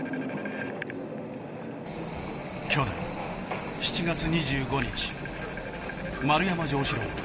去年７月２５日丸山城志郎